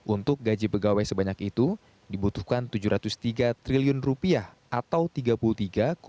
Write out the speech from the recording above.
untuk gaji pegawai sebanyak itu dibutuhkan rp tujuh ratus tiga triliun atau rp tiga puluh tiga lima